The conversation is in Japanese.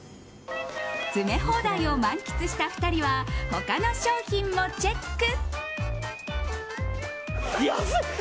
詰め放題を満喫した２人は他の商品もチェック。